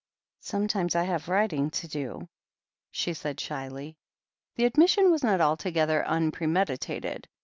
"Sometimes I have writing to do," she said shyly. The admission was not altogether unpremeditated.